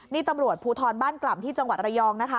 นี่ตำรวจภูทรบ้านกล่ำที่จังหวัดระยองนะคะ